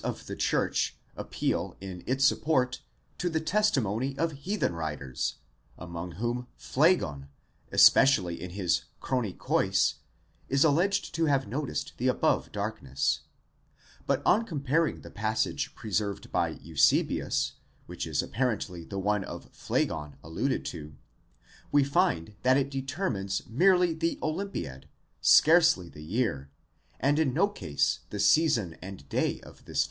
of the church appeal in its support to the testimony of heathen writers, among: whom Phlegon especially in his χρονικοῖς is alleged to have noticed the above darkness :* but on comparing the passage preserved by Eusebius, which is apparently the one of Phlegon alluded to, we find that it determines merely the Olympiad, scarcely the year, and in no case the season and day of this.